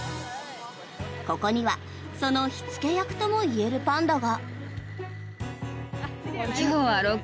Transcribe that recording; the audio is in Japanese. ここにはその火付け役ともいえるパンダが。